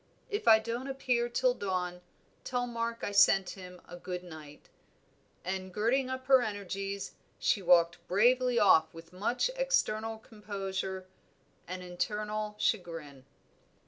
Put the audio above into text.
If I don't appear till dawn, tell Mark I sent him a good night," and girding up her energies she walked bravely off with much external composure and internal chagrin.